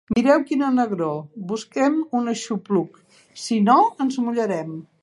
Mireu quina negror: busquem un aixopluc; si no, ens mullarem.